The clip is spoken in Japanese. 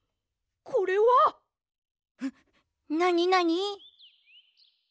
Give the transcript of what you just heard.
なになに？